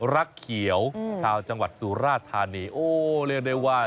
รักเขียวชาวจังหวัดสุราธานีโอ้เรียกได้ว่า